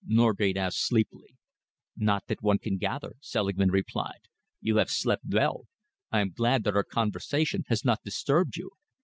Norgate asked sleepily. "Not that one can gather," Selingman replied. "You have slept well. I am glad that our conversation has not disturbed you.